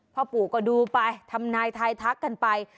พ่อปู่ก็ดูไปทำนายทายทักกันไป